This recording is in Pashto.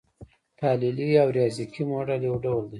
تحلیلي او ریاضیکي موډل یو ډول دی.